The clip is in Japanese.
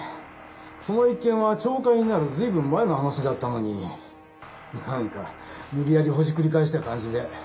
その一件は懲戒になる随分前の話だったのになんか無理やりほじくり返した感じで。